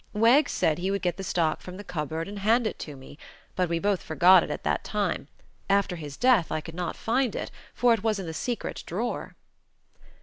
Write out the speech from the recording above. Wegg said he would get the stock from the cupboard and hand it to me; but we both forgot it at that time. After his death I could not find it, for it was in the secret drawer."